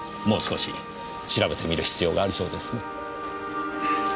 もう少し調べてみる必要がありそうですね。